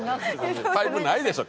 パイプないでしょ